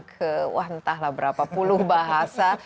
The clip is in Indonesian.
ke wah entahlah berapa puluh bahasa